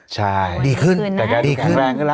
สีวิต้ากับคุณกรนิดหนึ่งดีกว่านะครับแฟนแห่เชียร์หลังเห็นภาพ